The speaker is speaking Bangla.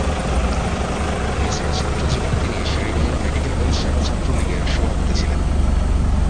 এছাড়া ছাত্রজীবনে তিনি শের-ই-বাংলা মেডিকেল কলেজ শাখা ছাত্রলীগের সভাপতি ছিলেন।